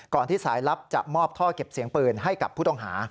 ที่สายลับจะมอบท่อเก็บเสียงปืนให้กับผู้ต้องหา